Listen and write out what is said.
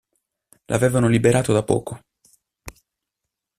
L'avevano liberato da poco